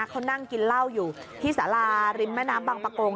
เขานั่งกินเหล้าอยู่ที่สาราริมแม่น้ำบางประกง